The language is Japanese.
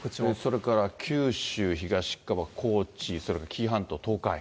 それから九州東側、高知、それから紀伊半島、東海。